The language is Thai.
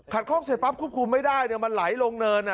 ขัดคล่องเสร็จปั๊บคุบคลุมไม่ได้เนี่ยมันไหลลงเนินอ่ะ